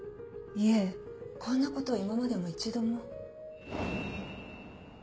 いえこんなことは今までも一度も。